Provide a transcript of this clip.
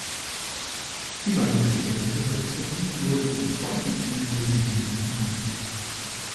Die beiden ersten Jetta-Generationen wurden als zwei- und viertürige Limousinen angeboten.